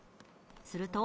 すると？